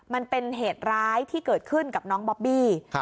มันเป็นเหตุร้ายที่เกิดขึ้นกับน้องบอบบี้